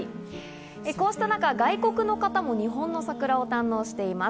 こうした中、外国の方も日本の桜を堪能しています。